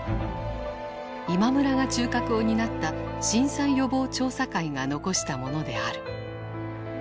今村が中核を担った震災予防調査会が残したものである。